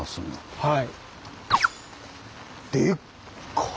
はい。